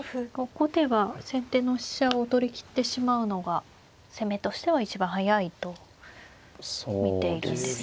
後手は先手の飛車を取りきってしまうのが攻めとしては一番速いと見ているんですね。